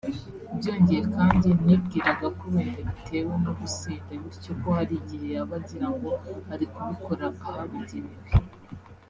Byongeye kandi nibwiraga ko wenda bitewe no gusinda bityo ko hari igihe yaba agirango ari kubikora ahabugenewe